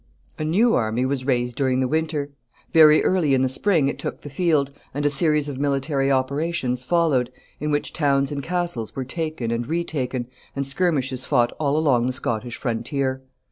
A new army was raised during the winter. Very early in the spring it took the field, and a series of military operations followed, in which towns and castles were taken and retaken, and skirmishes fought all along the Scottish frontier.